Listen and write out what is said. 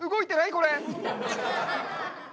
これ。